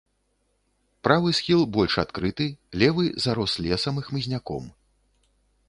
Правы схіл больш адкрыты, левы зарос лесам і хмызняком.